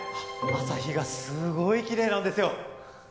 朝日がすごいきれいなんですよ。